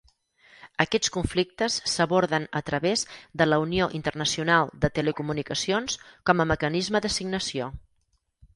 Aquests conflictes s'aborden a través de la Unió Internacional de Telecomunicacions com a mecanisme d'assignació.